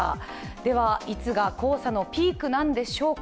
では、いつが黄砂のピークなんでしょうか。